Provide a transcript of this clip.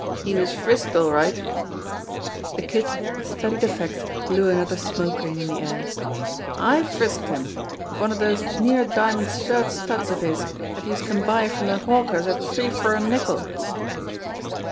He was frisked, all right !" The Kid with studied effect blew another smoke ring in the air. "I frisked him of one of dose near diamond shirt studs of his dat youse can buy from de hawkers at three for a nickel